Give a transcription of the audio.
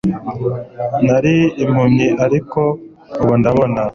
nari impumyi ariko ubu ndabona